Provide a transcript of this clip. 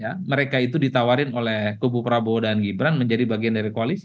ya mereka itu ditawarin oleh kubu prabowo dan gibran menjadi bagian dari koalisi